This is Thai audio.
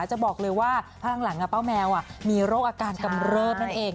จะบอกเลยว่าพักหลังป้าแมวมีโรคอาการกำเริบนั่นเอง